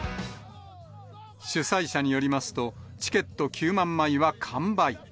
主催者によりますと、チケット９万枚は完売。